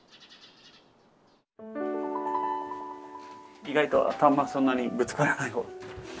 意外と頭そんなにぶつからない。